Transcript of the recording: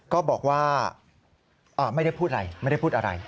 ก็บอกว่าไม่ได้พูดอะไรไม่ได้พูดอะไร